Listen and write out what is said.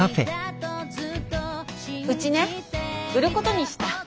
うちね売ることにした。